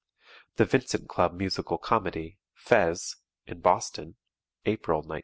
The Vincent Club Musical Comedy, "Fez," in Boston (April, 1925).